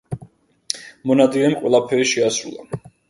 მონადირემ ყველაფერი შეასრულა.